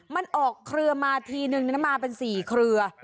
มันออกเครือมาทีนึงมาเป็น๔เครือ